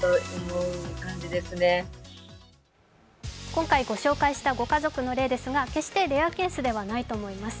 今回ご紹介したご家族の例ですが決してレアケースではないと思います。